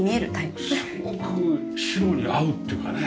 すごく白に合うっていうかね。